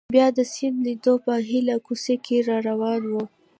بیا د سیند لیدو په هیله کوڅه کې را روان وو.